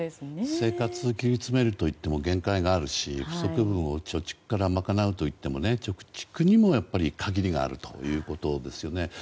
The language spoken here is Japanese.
生活切り詰めるといっても限界があるし不足分を貯蓄から賄うといっても貯蓄にも限りがあるということですよね。